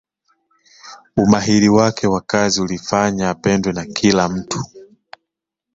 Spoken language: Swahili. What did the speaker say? umahili wake wa kazi ulifanya apendwe na kila mtu